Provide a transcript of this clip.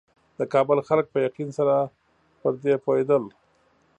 د کابل خلک په یقین سره پر دې پوهېدل.